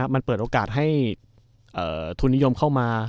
มันเปิดโอกาสให้ทุนนิยมเข้ามา